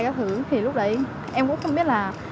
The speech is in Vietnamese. các thứ thì lúc đấy em cũng không biết là